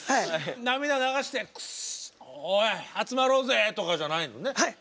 涙流して「くっそおい集まろうぜ」とかじゃないのね。